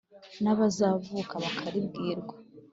n’abazavuka bakaribwirwa